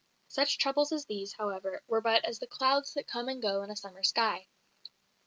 Such troubles as these, however, were but as the clouds that come and go in a summer sky.